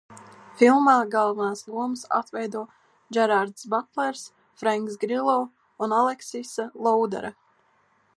Filmā galvenās lomas atveido Džerards Batlers, Frenks Grillo un Aleksisa Loudere.